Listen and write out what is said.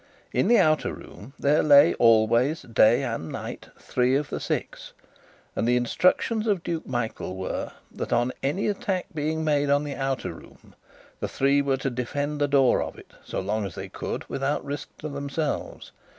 In the outer room there lay always, day and night, three of the Six; and the instructions of Duke Michael were, that on any attack being made on the outer room, the three were to defend the door of it so long as they could without risk to themselves.